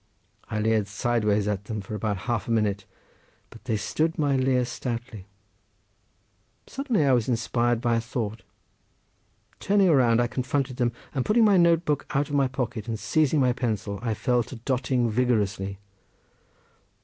I leered sideways at them for about half a minute, but they stood my leer stoutly. Suddenly I was inspired by a thought. Turning round I confronted them, and pulling my note book out of my pocket, and seizing my pencil, I fell to dotting vigorously.